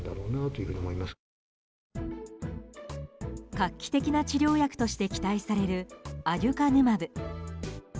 画期的な治療薬として期待されるアデュカヌマブ。